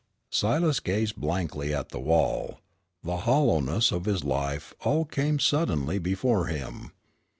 Silas gazed blankly at the wall. The hollowness of his life all came suddenly before him.